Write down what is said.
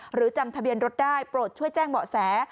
หรือจำทะเบียนรถได้โปรดช่วยแจ้งเบาะแส